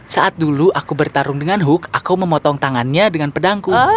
saat dulu aku bertarung dengan hook aku memotong tangannya dengan pedangku